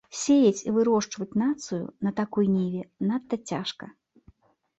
Сеяць і вырошчваць нацыю на такой ніве надта цяжка.